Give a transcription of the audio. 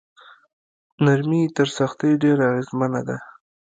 نرمي تر سختۍ ډیره اغیزمنه ده.